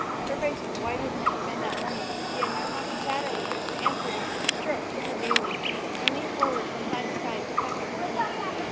Her face was whiter than it had been that morning, and she had no happy chatter with which to answer him as he chirruped to her gaily and leaned forward from time to time to peck at her teeth.